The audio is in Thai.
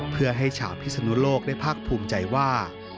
เพื่อให้ชาวพิศนุโลกได้ภาคภูมิใจว่า